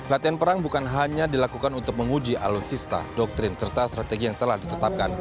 latihan perang bukan hanya dilakukan untuk menguji alutsista doktrin serta strategi yang telah ditetapkan